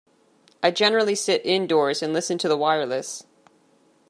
I generally sit indoors and listen to the wireless.